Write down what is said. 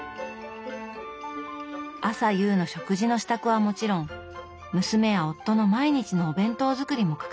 朝夕の食事の支度はもちろん娘や夫の毎日のお弁当作りも欠かさない。